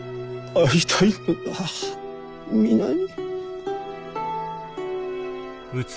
会いたいのだ皆に。